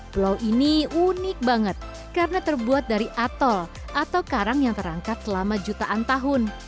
pulau ini unik banget karena terbuat dari atol atau karang yang terangkat selama jutaan tahun